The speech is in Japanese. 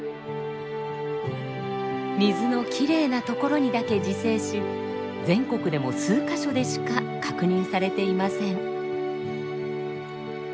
水のきれいなところにだけ自生し全国でも数か所でしか確認されていません。